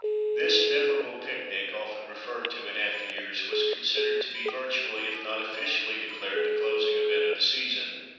This memorable picnic, often referred to in after years, was considered to be virtually, if not officially declared, the closing event of the season.